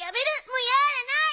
もうやらない！